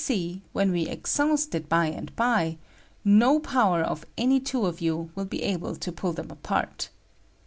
see, when we exhaust it by and by, no power (rf any two of yoa will be able to pall them ^art.